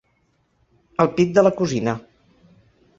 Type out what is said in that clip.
El pit de la cosina.